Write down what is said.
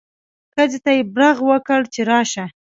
ښځې ته یې برغ وکړ چې راشه.